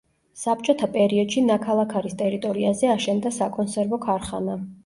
საბჭოთა პერიოდში „ნაქალაქარის“ ტერიტორიაზე აშენდა საკონსერვო ქარხანა.